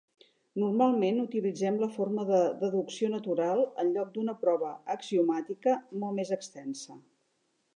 Normalment utilitzem la forma de deducció natural en lloc d'una prova axiomàtica molt més extensa.